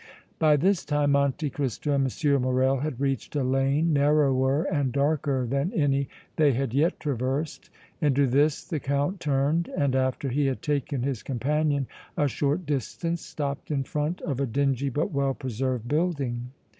By this time Monte Cristo and M. Morrel had reached a lane narrower and darker than any they had yet traversed. Into this the Count turned and after he had taken his companion a short distance stopped in front of a dingy but well preserved building.